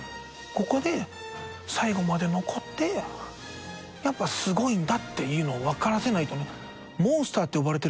ここで最後まで残ってやっぱすごいんだっていうのを分からせないと。